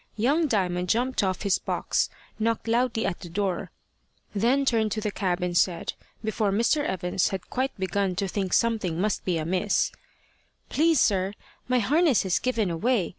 Young Diamond jumped off his box, knocked loudly at the door, then turned to the cab and said before Mr. Evans had quite begun to think something must be amiss: "Please, sir, my harness has given away.